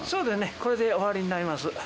これで終わりになります。